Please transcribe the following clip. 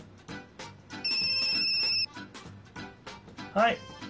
はい。